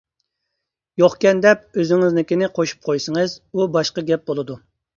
يوقكەن دەپ ئۆزىڭىزنىڭكىنى قوشۇپ قويسىڭىز، ئۇ باشقا گەپ بولىدۇ.